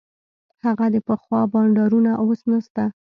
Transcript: هغه د پخوا بانډارونه اوس نسته.